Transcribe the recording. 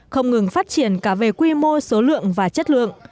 không ngừng phát triển cả về quy mô số lượng và chất lượng